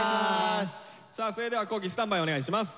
さあそれでは皇輝スタンバイお願いします。